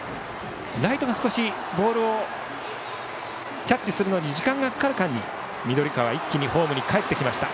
ライトが少しボールをキャッチするのに時間がかかる間に緑川は一気にホームへかえりました。